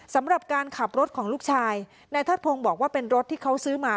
สำหรับการขับรถของลูกชายนายเทิดพงศ์บอกว่าเป็นรถที่เขาซื้อมา